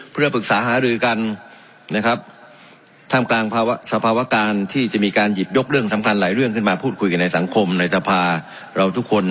เพื่อปรึกษาหารือกันนะครับท่ามกลางสภาวการที่จะมีการหยิบยกเรื่องสำคัญหลายเรื่องขึ้นมาพูดคุยกันในสังคมในสภาเราทุกคน